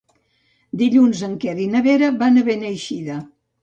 Dilluns en Quer i na Vera van a Beneixida.